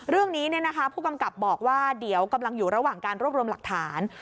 เรื่องนี้ผู้กำกับบอกว่าเดี๋ยวกำลังอยู่ระหว่างการรวบรวมหลักฐาน